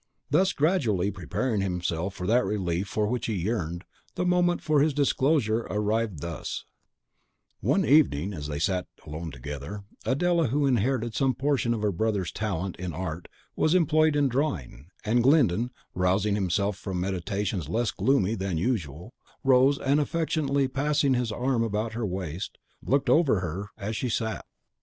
Thus gradually preparing himself for that relief for which he yearned, the moment for his disclosure arrived thus: One evening, as they sat alone together, Adela, who inherited some portion of her brother's talent in art, was employed in drawing, and Glyndon, rousing himself from meditations less gloomy than usual, rose, and affectionately passing his arm round her waist, looked over her as she sat.